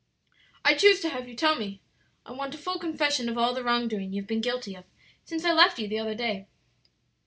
"I choose to have you tell me; I want a full confession of all the wrong doing you have been guilty of since I left you the other day."